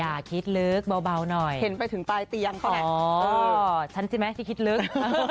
อย่าคิดลึกเบาหน่อยเห็นไปถึงปลายเตียงเขาแหละฉันใช่ไหมที่คิดลึก